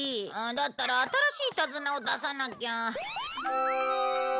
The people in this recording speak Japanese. だったら新しい手綱を出さなきゃ。